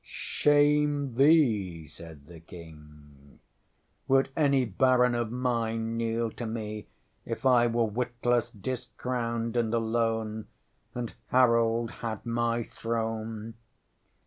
ŌĆØ ŌĆśŌĆ£Shame thee? ŌĆØ said the King. ŌĆ£Would any baron of mine kneel to me if I were witless, discrowned, and alone, and Harold had my throne?